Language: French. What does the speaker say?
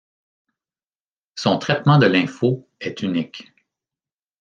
Son traitement de l'info est unique.